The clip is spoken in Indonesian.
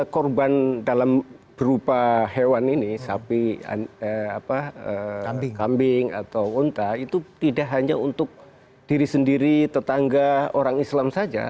korban dalam berupa hewan ini sapi kambing atau unta itu tidak hanya untuk diri sendiri tetangga orang islam saja